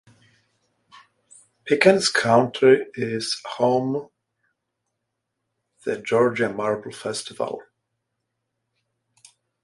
Pickens County is home the Georgia Marble Festival.